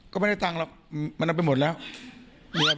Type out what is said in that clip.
ก็ไม่ได้ตังค์หรอกมันเอาไปหมดแล้ว